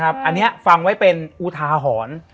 อันนี้ฟังไว้เป็นอุทาหรณ์